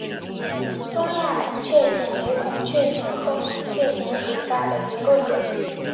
东亚孔雀藓为孔雀藓科孔雀藓属下的一个种。